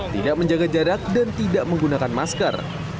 tidak menjaga jarak dan tidak menggunakan masker